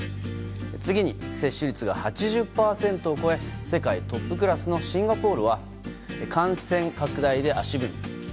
次に、接種率が８０％を超え世界トップクラスのシンガポールは感染拡大で足踏み。